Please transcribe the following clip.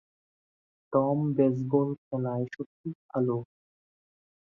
Tom baseball খেলায় সত্যিই ভালো।